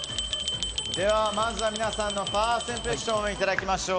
では、まずは皆さんのファーストインプレッションをいただきましょう。